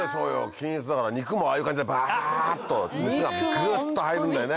均一だから肉もああいう感じでバっと熱がグッと入るんだよね。